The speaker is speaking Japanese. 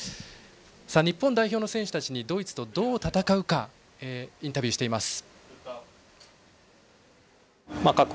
日本代表の選手たちにドイツとどう戦うかインタビューしています。